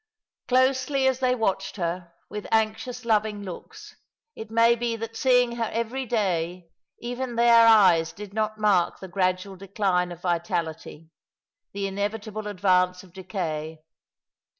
Closely as they watched her, with anxious loving looks, it may be that seeing her every day even their eyes did not mark the gradual decline of vitality — the inevitable advance of decay.